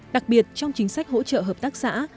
đặc biệt trong chính sách hỗ trợ hợp tác xã